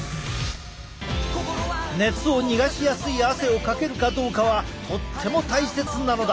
熱を逃がしやすい汗をかけるかどうかはとっても大切なのだ！